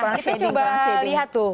kita coba lihat tuh